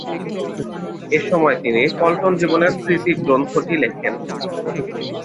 এ সময় তিনি পল্টন জীবনের স্মৃতি গ্রন্থটি লিখেন।